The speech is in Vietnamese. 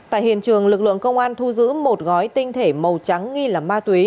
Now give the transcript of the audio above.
tại hiện trường lực lượng công an thu giữ một gói tinh thể màu trắng nghi là ma túy